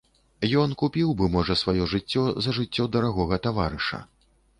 Ён купіў бы, можа, сваё жыццё за жыццё дарагога таварыша.